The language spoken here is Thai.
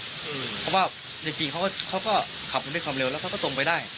อืมเพราะว่าในจริงเขาก็เขาก็ขับมันได้ความเร็วแล้วก็ตรงไปได้